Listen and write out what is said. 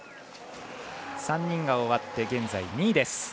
３人が終わって現在２位です。